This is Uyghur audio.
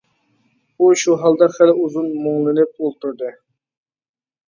ئۇ شۇ ھالدا خېلى ئۇزۇن مۇڭلىنىپ ئولتۇردى.